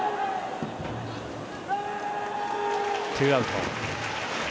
ツーアウト。